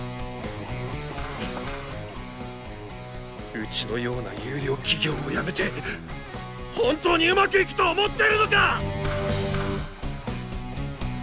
うちのような優良企業を辞めて本当にうまくいくと思ってるのか！